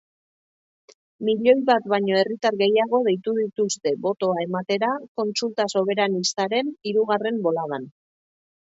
Milioi bat baino herritar gehiago deitu dituzte botoa ematera kontsulta soberanistaren hirugarren boladan.